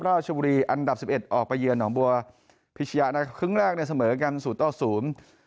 ราชบูรีอันดับ๑๑ออกไปเยือนหลวงบัวพิชยะครั้งแรกในเสมอสูตรกัน๐๐